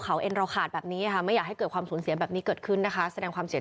เขาจะชอบพูดให้ตัวเองเป็นลางอยู่ด้วย